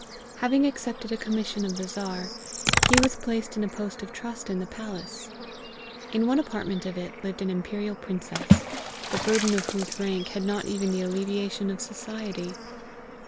Having accepted a commission of the Czar, he was placed in a post of trust in the palace. In one apartment of it, lived an imperial princess, the burden of whose rank had not even the alleviation of society.